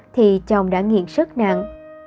thì chồng đã nghiện sức nặng